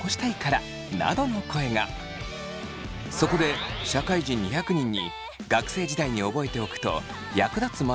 そこで社会人２００人に学生時代に覚えておくと役立つマナーは何か？